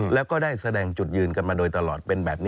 และก็ได้แสดงจุดยืนกันมาตลอด